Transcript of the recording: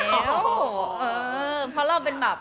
เพราะเราเป็นแบบ